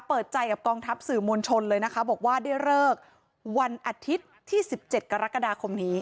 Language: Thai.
เปิดใจกับกองทัพสื่อมวลชนเลยนะคะบอกว่าได้เลิกวันอาทิตย์ที่๑๗กรกฎาคมนี้